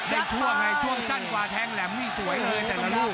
ช่วงไงช่วงสั้นกว่าแทงแหลมนี่สวยเลยแต่ละลูก